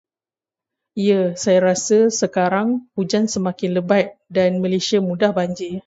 Ya, saya rasa sekarang hujan semakin lebat dan Malaysia mudah banjir.